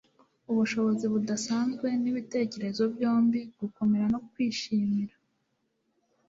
Ubushobozi budasanzwe nibitekerezo byombi gukomera no kwishimira